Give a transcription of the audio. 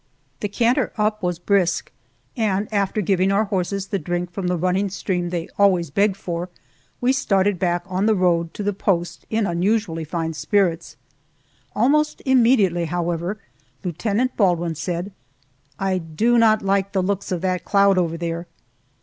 The canter up was brisk, and after giving our horses the drink from the running stream they always beg for, we started back on the road to the post in unusually fine spirits. Almost immediately, however, Lieutenant Baldwin said, "I do not like the looks of that cloud over there!"